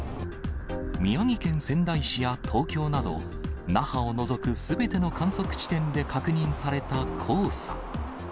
宮城県仙台市や東京など、那覇を除くすべての観測地点で確認された黄砂。